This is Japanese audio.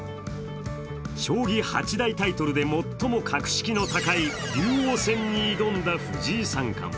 将棋八大タイトルで最も格式の高い竜王戦に挑んだ藤井三冠。